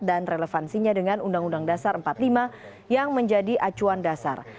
dan relevansinya dengan undang undang dasar empat puluh lima yang menjadi acuan dasar